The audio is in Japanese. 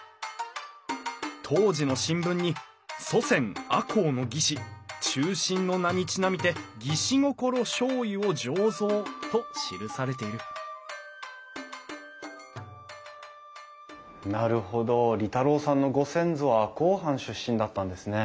当時の新聞に「祖先赤穂の義士忠臣の名に因みて『義士心』醤油を醸造」と記されているなるほど利太郎さんのご先祖は赤穂藩出身だったんですね。